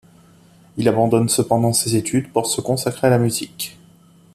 Il abandonne cependant ses études pour se consacrer à la musique.